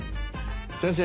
先生。